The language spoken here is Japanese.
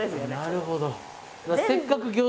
なるほど。